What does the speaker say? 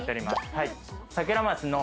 はい。